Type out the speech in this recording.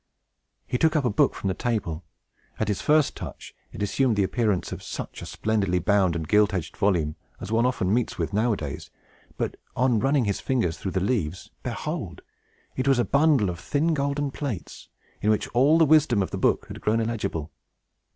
He took up a book from the table. At his first touch, it assumed the appearance of such a splendidly bound and gilt edged volume as one often meets with, nowadays; but, on running his fingers through the leaves, behold! it was a bundle of thin golden plates, in which all the wisdom of the book had grown illegible.